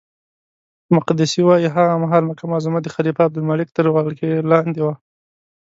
مقدسي وایي هغه مهال مکه معظمه د خلیفه عبدالملک تر واک لاندې نه وه.